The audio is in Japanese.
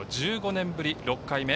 １５年ぶり６回目。